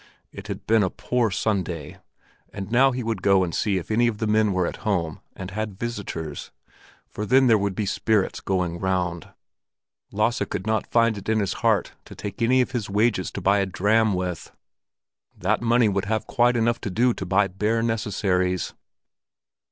It had been a poor Sunday, and now he would go and see if any of the men were at home and had visitors, for then there would be spirits going round. Lasse could not find it in his heart to take any of his wages to buy a dram with; that money would have quite enough to do to buy bare necessaries.